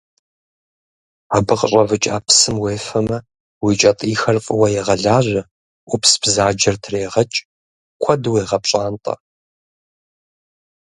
Абы къыщӏэвыкӏа псым уефэмэ, уи кӏэтӏийхэр фӏыуэ егъэлажьэ, ӏупсбзаджэр трегъэкӏ, куэду уегъэпщӏантӏэ.